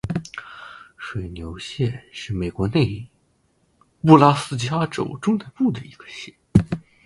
水牛县是美国内布拉斯加州中南部的一个县。